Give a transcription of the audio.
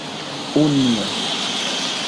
unio